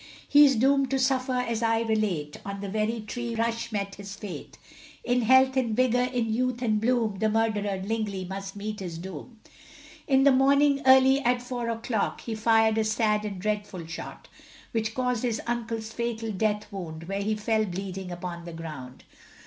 He is doomed to suffer as I relate On the very tree where Rush met his fate In health, in vigour, in youth and bloom, The murderer Lingley must meet his doom. In the morning early at four o'clock He fired a sad and dreadful shot Which caused his uncle's fatal death wound Where he fell bleeding upon the ground.